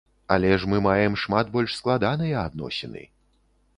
Але ж мы маем шмат больш складаныя адносіны.